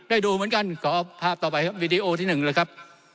ดูเหมือนกันขอภาพต่อไปครับวีดีโอที่หนึ่งเลยครับ